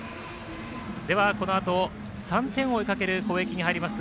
では、このあと３点を追いかける攻撃に入ります